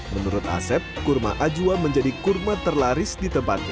menurut asep kurma ajwa menjadi kurma terlaris di tempatnya